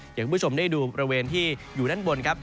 อย่างคุณผู้ชมได้ดูบริเวณที่อยู่ด้านบนครับ